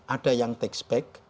ada yang take back